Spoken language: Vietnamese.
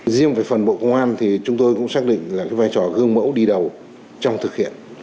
riêng về phần bộ công an thì chúng tôi cũng xác định là vai trò gương mẫu đi đầu trong thực hiện